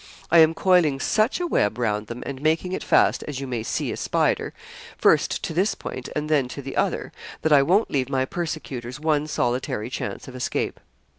I am coiling such a web round them, and making it fast, as you may see a spider, first to this point and then to the other, that I won't leave my persecutors one solitary chance of escape.